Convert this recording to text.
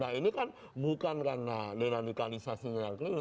nah ini kan bukan karena deradikalisasinya yang keliru